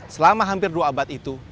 selama hampir dua abad itu